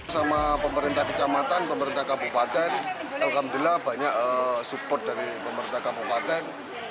sama pemerintah kecamatan pemerintah kabupaten alhamdulillah banyak support dari pemerintah kabupaten